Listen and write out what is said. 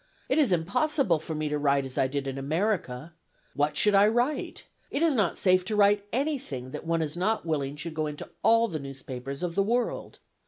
It is impossible for me to write as I did in America. What should I write? It is not safe to write anything that one is not willing should go into all the newspapers of the world.